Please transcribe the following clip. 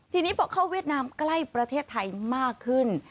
ทีนี้พอเข้าเวียดนามใกล้ประเทศไทยมากขึ้น